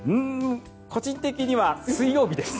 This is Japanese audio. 個人的には水曜日です。